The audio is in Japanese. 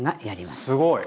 すごい！